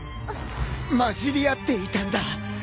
まじり合っていたんだ。